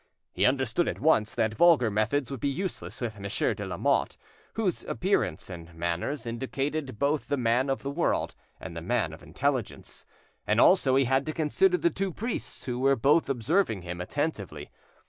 He understood at once that vulgar methods would be useless with Monsieur de Lamotte, whose appearance and manners indicated both the man of the world and the man of intelligence, and also he had to consider the two priests, who were both observing him attentively.